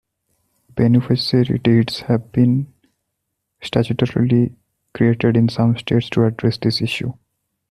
"Beneficiary deeds" have been statutorily created in some states to address this issue.